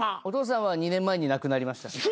お父さんは２年前に亡くなりました。